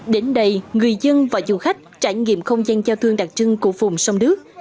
đến đây người dân và du khách trải nghiệm không gian giao thương đặc trưng của vùng sông nước